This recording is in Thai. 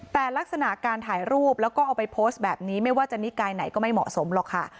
แต่ลักษณะการถ่ายรูปแล้วก็เอาไปโพสต์แบบนี้ไม่ว่าจะนิกายไหนก็ไม่เหมาะสมหรอกค่ะ